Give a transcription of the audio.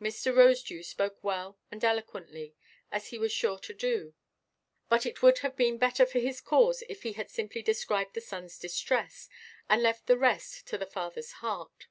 Mr. Rosedew spoke well and eloquently, as he was sure to do; but it would have been better for his cause if he had simply described the sonʼs distress, and left the rest to the fatherʼs heart.